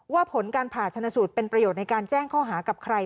ผลการผ่าชนสูตรเป็นประโยชน์ในการแจ้งข้อหากับใคร